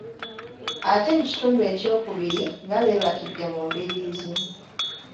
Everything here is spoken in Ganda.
Ate mu kitundu ekyokubiri nga beebakidde mu mbiriizi.